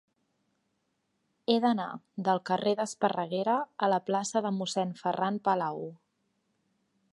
He d'anar del carrer d'Esparreguera a la plaça de Mossèn Ferran Palau.